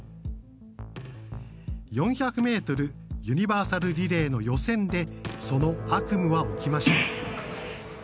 ４００ｍユニバーサルリレーの予選でその悪夢は起きました。